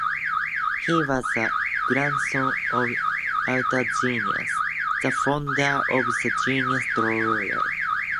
He was a grandson of Arthur Guinness, the founder of the Guinness brewery.